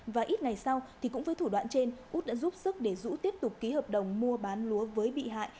và ít ngày sau thì cũng với thủ đoạn trên út đã giúp sức để dũ tiếp tục ký hợp đồng mua bán lúa với bị hại